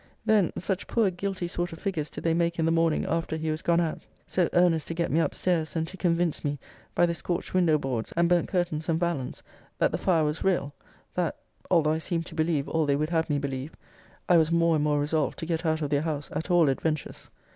Then, such poor guilty sort of figures did they make in the morning after he was gone out so earnest to get me up stairs, and to convince me, by the scorched window boards, and burnt curtains and vallens, that the fire was real that (although I seemed to believe all they would have me believe) I was more and more resolved to get out of their house at all adventures.